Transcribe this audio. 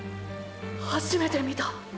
初めて見た。